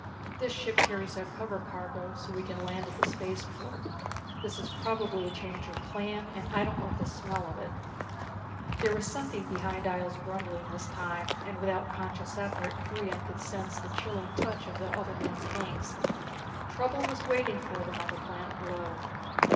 This ship carries a cover cargo so we can land at the spaceport. This is probably a change of plan and I don't like the smell of it." There was something behind Ihjel's grumbling this time, and without conscious effort Brion could sense the chilling touch of the other man's angst. Trouble was waiting for them on the planet below.